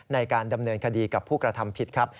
ในการดำเนินคดีกับผู้กระทำผิดครับ